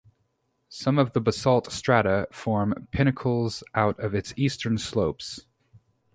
Some of the basalt strata form pinnacles out of its eastern slopes.